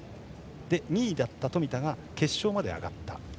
そして２位だった冨田が決勝まで上がった。